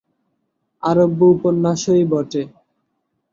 আরব্য উপন্যাসই বটে।